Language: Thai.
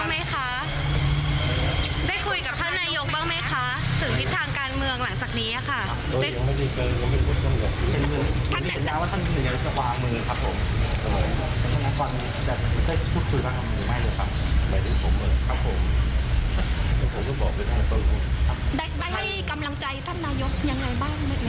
ไปต่อมั้ยครับท่านข้าพูด